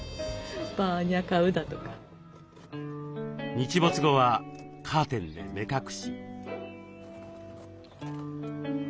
日没後はカーテンで目隠し。